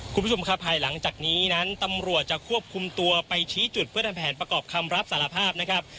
คุณผู้ชมครับภายหลังจากนี้นั้นตำรวจจะควบคุมตัวไปชี้จุดเพื่อทำแผนประกอบคำรับสารภาพนะครับ